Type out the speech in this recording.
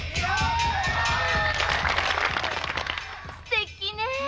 すてきね。